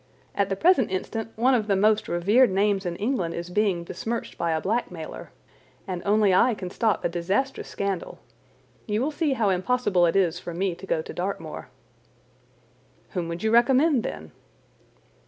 At the present instant one of the most revered names in England is being besmirched by a blackmailer, and only I can stop a disastrous scandal. You will see how impossible it is for me to go to Dartmoor." "Whom would you recommend, then?"